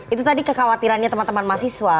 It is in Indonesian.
itu tadi kekhawatirannya teman teman mahasiswa